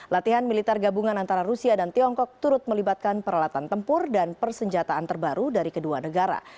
latihan militer gabungan antara rusia dan tiongkok turut melibatkan peralatan tempur dan persenjataan terbaru dari kedua negara